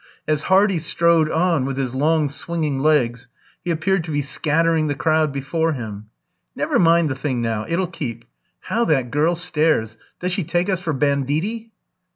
As Hardy strode on, with his long swinging legs, he appeared to be scattering the crowd before him. "Never mind the thing now; it'll keep. How that girl stares! Does she take us for banditti?"